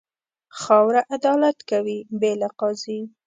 خاوره عدالت کوي، بې له قاضي.